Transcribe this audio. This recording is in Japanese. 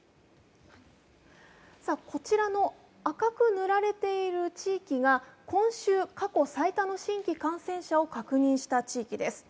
こちらの赤く塗られている地域が今週、過去最多の新規感染者を確認した地域です。